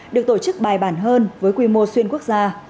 được tổ chức bài bản hơn với quy mô xuyên quốc gia